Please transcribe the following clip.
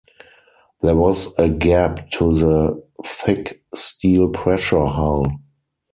There was a gap to the -thick steel pressure hull.